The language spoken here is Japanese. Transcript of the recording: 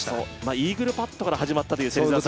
イーグルパットから始まったという。